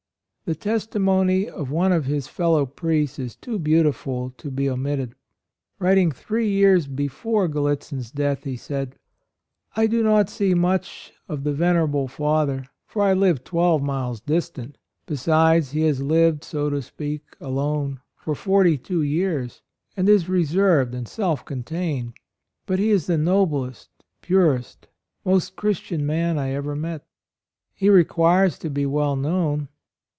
The testimony of one of his fellow priests is too beautiful to be omitted. Writing three years before Gallitzin's death, he said: "I do not see much of the venerable Father, for I live twelve miles distant. Besides he has lived, so to speak, alone, for forty two years, and he is reserved and self contained. But he is the noblest, purest, most Christian man I ever met. He AND MOTHER. 125 requires to be well known.